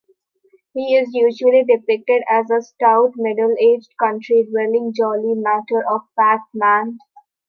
He is usually depicted as a stout, middle-aged, country dwelling, jolly, matter-of-fact man.